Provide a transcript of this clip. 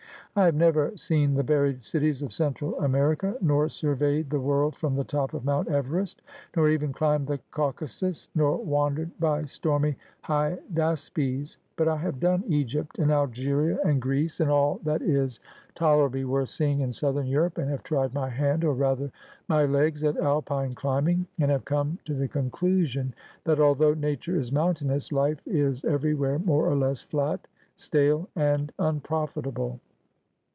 I have never seen the buried cities of Central America, nor surveyed the world from the top of Mount Everest, nor even climbed the Caucasus, nor wandered by stormy Hydaspes ; but I have done Egypt, and Algeria, and Greece, and all that is tolerably worth seeing in Southern Europe, and have tried my hand, or rather my legs, at Alpine climbing, and have come to the conclusion that, although Nature is mountainous, life is everywhere more or less flat, stale, and unprofitable.'